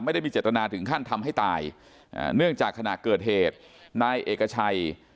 ไม่ได้มีเจตนาถึงขั้นทำให้ตายเนื่องจากขณะเกิดเหตุนายเอกชัย